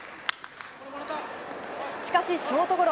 しかしショートゴロ。